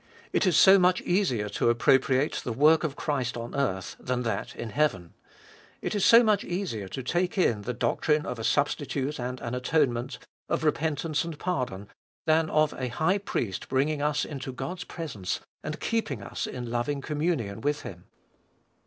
It is so much easier to appropriate the work of Christ on earth than that in heaven. It is so much easier to take in the doctrine of a Substitute and an atonement, of repentance and pardon, than of a High Priest bringing us into God's presence, and keeping us in loving communion with Him.